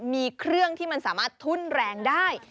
มีเครื่องที่มันสามารถทุ่นแรงได้